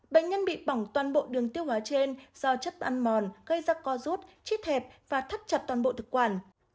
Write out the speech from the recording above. bệnh nhân bị bỏng toàn bộ đường tiêu hóa trên do chất ăn mòn gây ra co rút chết và thắt chặt toàn bộ thực quản